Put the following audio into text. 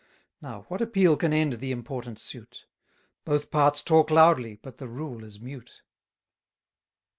Now, what appeal can end the important suit? Both parts talk loudly, but the rule is mute.